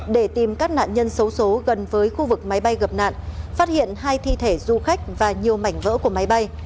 để tìm các nạn nhân xấu xố gần với khu vực máy bay gặp nạn phát hiện hai thi thể du khách và nhiều mảnh vỡ của máy bay